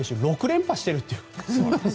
６連覇しているっていう。